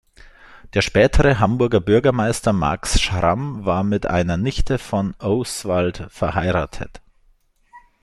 Der spätere Hamburger Bürgermeister Max Schramm war mit einer Nichte von O’Swald verheiratet.